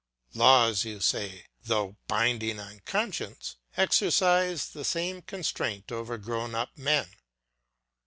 Laws, you say, though binding on conscience, exercise the same constraint over grown up men.